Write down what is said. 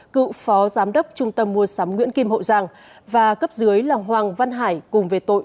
cựu phó giám đốc trung tâm mua sắm nguyễn kim hậu giang và cấp dưới là hoàng văn hải cùng về tội